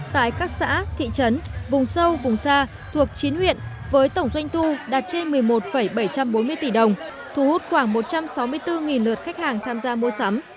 tại các xã thị trấn vùng sâu vùng xa thuộc chín huyện với tổng doanh thu đạt trên một mươi một bảy trăm bốn mươi tỷ đồng thu hút khoảng một trăm sáu mươi bốn lượt khách hàng tham gia mua sắm